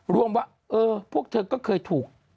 รวมว่าเออพวกเธอก็เคยถูก